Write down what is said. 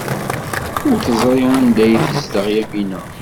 Ur teẓri anda ay tezdeɣ Yamina.